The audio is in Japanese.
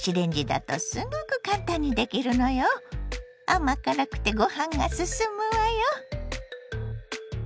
甘辛くてごはんが進むわよ。